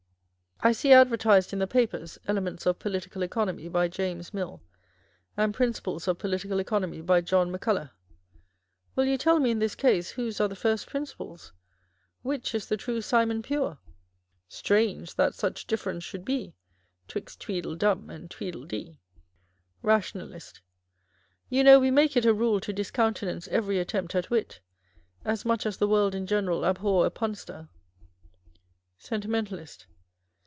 I see advertised in the papers â€" Elements of Political Economy, by James Mill, and Principles of Political Economy, by John McCul loch. Will you tell me in this case, whose are the First Principles ? which is the true Simon Pure V Strange ! that such difference should be 'Twixt Ticeedle dum and Ticeedle dee ! Rationalist. You know we make it a rule to discoun tenance every attempt at wit, as much as the world in general abhor a punster. Sentimentalist.